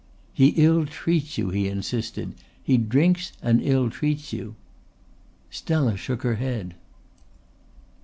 "He ill treats you," he insisted. "He drinks and ill treats you." Stella shook her head.